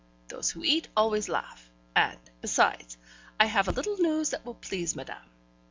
Those who eat always laugh. And, besides, I have a little news that will please madame.'